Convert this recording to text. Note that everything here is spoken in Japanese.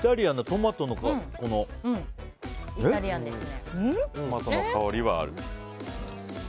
トマトの香りはある。